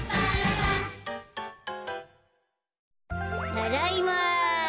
ただいま。